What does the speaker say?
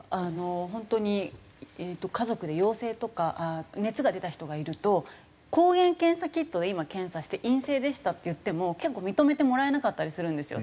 本当に家族で陽性とか熱が出た人がいると抗原検査キットで今検査して陰性でしたって言っても結構認めてもらえなかったりするんですよ。